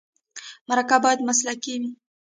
مرکه باید مسلکي وي.